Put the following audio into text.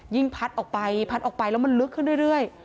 พัดออกไปพัดออกไปแล้วมันลึกขึ้นเรื่อย